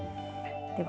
では